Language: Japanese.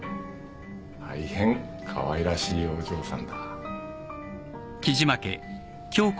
大変かわいらしいお嬢さんだ。